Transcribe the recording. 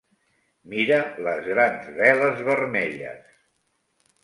Mira les grans veles vermelles!